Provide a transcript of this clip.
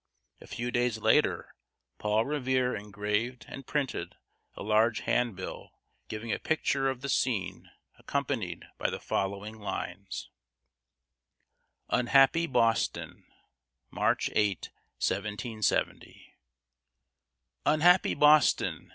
A few days later, Paul Revere engraved and printed a large hand bill giving a picture of the scene, accompanied by the following lines: UNHAPPY BOSTON [March 8, 1770] Unhappy Boston!